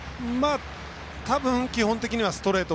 たぶん基本的にはストレート。